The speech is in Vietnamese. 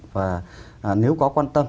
và nếu có quan tâm